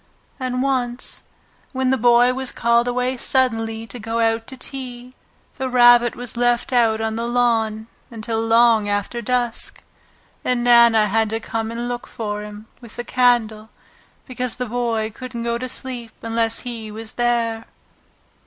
And once, when the Boy was called away suddenly to go out to tea, the Rabbit was left out on the lawn until long after dusk, and Nana had to come and look for him with the candle because the Boy couldn't go to sleep unless he was there.